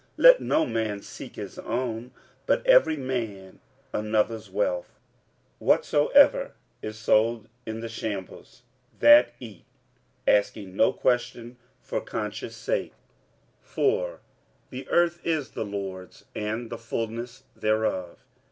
46:010:024 Let no man seek his own, but every man another's wealth. 46:010:025 Whatsoever is sold in the shambles, that eat, asking no question for conscience sake: 46:010:026 For the earth is the Lord's, and the fulness thereof.